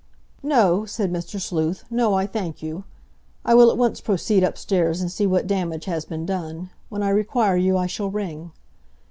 "No," said Mr. Sleuth. "No, I thank you. I will at once proceed upstairs and see what damage has been done. When I require you I shall ring."